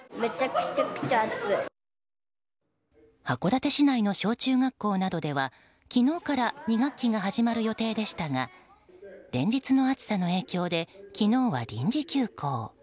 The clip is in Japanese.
函館市内の小中学校などでは昨日から２学期が始まる予定でしたが連日の暑さの影響で昨日は臨時休校。